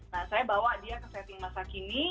nah saya bawa dia ke setting masa kini